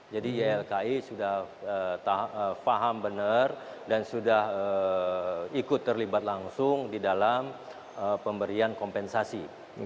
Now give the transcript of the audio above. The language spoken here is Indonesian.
jadi ylki sudah faham benar dan sudah ikut terlibat langsung di dalam pemberian kompensasi